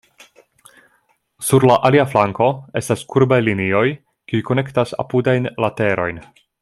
Sur la alia flanko estas kurbaj linioj kiuj konektas apudajn laterojn.